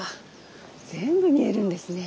全部見えるんですね。